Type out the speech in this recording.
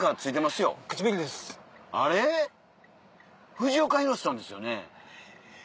藤岡弘、さんですよね？